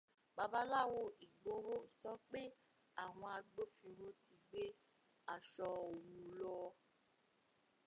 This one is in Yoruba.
Babaláwo Ìgbòho sọ pé àwọn agbófinró ti gbé aṣọ òun lọ.